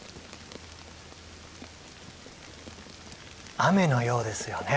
雨のようですよね。